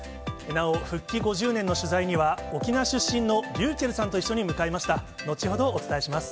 なお復帰５０年の取材には、沖縄出身のｒｙｕｃｈｅｌｌさんと向かいました。